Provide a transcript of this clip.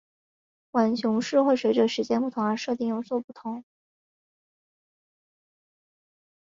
浣熊市会随时间不同而设定有所不同。